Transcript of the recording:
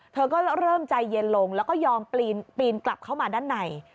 เธอก็เริ่มใจเย็นลงแล้วก็ยอมปีนกลับเข้ามาด้านใน